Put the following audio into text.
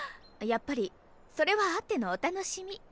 やっぱりそれは会ってのお楽しみ。